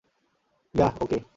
Yeah, ওকে।